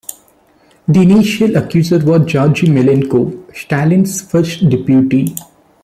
The initial accuser was Georgy Malenkov, Stalin's first deputy.